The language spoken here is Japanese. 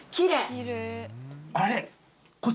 あれ？